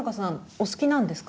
お好きなんですか？